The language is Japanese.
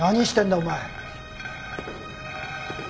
お前。